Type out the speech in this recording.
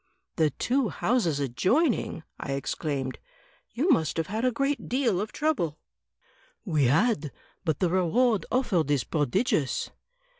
"The two houses adjoining!" I exclaimed; "you must have had a great deal of trouble." "We had; but the reward offered is prodigious."